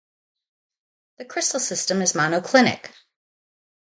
The crystal system is monoclinic.